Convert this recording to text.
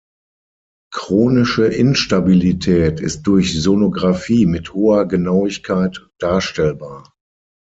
Chronische Instabilität ist durch Sonografie mit hoher Genauigkeit darstellbar.